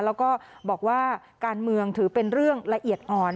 แล้วก็บอกว่าการเมืองถือเป็นเรื่องละเอียดอ่อน